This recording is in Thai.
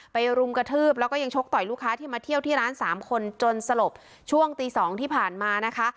รุมกระทืบแล้วก็ยังชกต่อยลูกค้าที่มาเที่ยวที่ร้านสามคนจนสลบช่วงตีสองที่ผ่านมานะคะ